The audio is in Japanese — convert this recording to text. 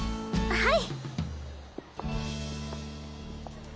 はい。